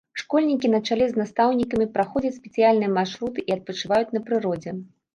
Школьнікі на чале з настаўнікамі праходзяць спецыяльныя маршруты і адпачываюць на прыродзе.